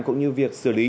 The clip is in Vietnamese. cũng như việc xử lý